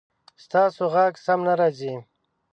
ستاسو غږ سم نه راځي